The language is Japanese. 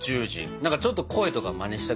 何かちょっと声とかマネしたくなる感じ。